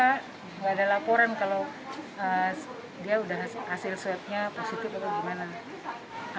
tidak ada laporan kalau dia sudah hasil swabnya positif atau gimana